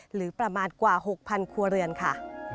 หรือประมาณกว่า๖๐๐ครัวเรือนค่ะ